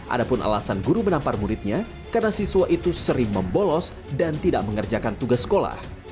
ada pun alasan guru menampar muridnya karena siswa itu sering membolos dan tidak mengerjakan tugas sekolah